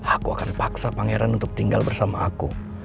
aku akan paksa pangeran untuk tinggal bersama aku